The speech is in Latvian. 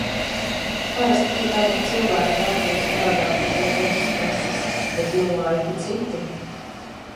Parasti pie tāda cilvēku daudzuma strādā tikai dažas kases, bet nu laiki citi.